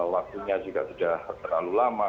waktunya juga sudah terlalu lama